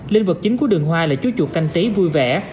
linh vật chính của đường hoa là chú chuột canh tí vui vẻ